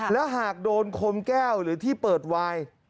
และหากโดนคมแก้วหรือที่เปิดวาย